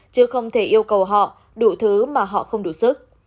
chứ không thể yêu cầu họ đủ thứ mà họ không đủ sức